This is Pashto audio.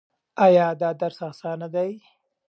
ایا دا درس اسانه دی؟